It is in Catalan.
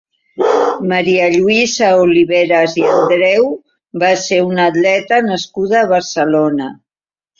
Maria Lluïsa Oliveras i Andreu va ser una atleta nascuda a Barcelona.